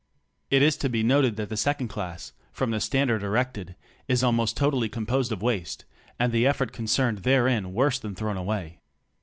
It is to be noted that the second class, from the standard erected, is almost totally composed of waste, and the effort concerned therein worse than thrown away.